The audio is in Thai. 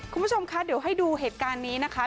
คุณผู้ชมคะเดี๋ยวให้ดูเหตุการณ์นี้นะคะ